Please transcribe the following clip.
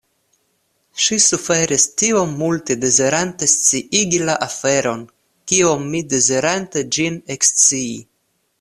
Ŝi suferis tiom multe dezirante sciigi la aferon kiom mi dezirante ĝin ekscii.